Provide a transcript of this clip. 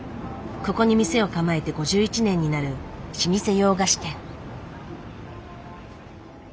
ここに店を構えて５１年になる老舗洋菓子店。